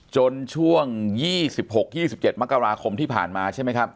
จนช่วง๒๖๒๗มกราคมที่ผ่านมาใช่ไหมครับ